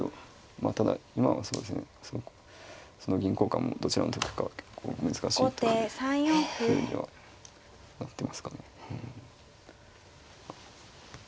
まあただ今はそうですねその銀交換もどちらが得かは結構難しいというふうにはなってますかね。